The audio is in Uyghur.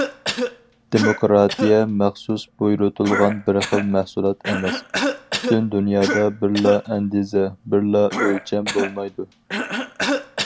دېموكراتىيە مەخسۇس بۇيرۇتۇلغان بىر خىل مەھسۇلات ئەمەس، پۈتۈن دۇنيادا بىرلا ئەندىزە، بىرلا ئۆلچەم بولمايدۇ.